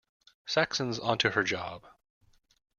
Saxon's onto her job.